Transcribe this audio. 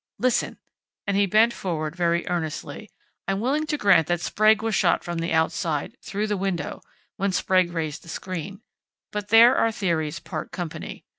Listen!" and he bent forward very earnestly: "I'm willing to grant that Sprague was shot from the outside, through the window, when Sprague raised the screen. But there our theories part company.